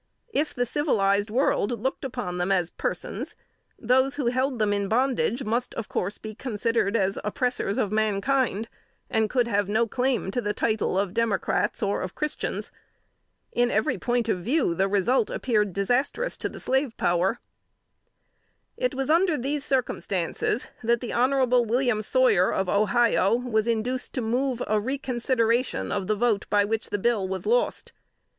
If the civilized world looked upon them as persons, those who held them in bondage must of course be considered as oppressors of mankind, and could have no claim to the title of Democrats or of Christians. In every point of view, the result appeared disastrous to the slave power. It was under these circumstances, that the Hon. William Sawyer of Ohio, was induced to move a reconsideration of the vote by which the bill was lost.